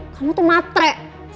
kamu tuh matre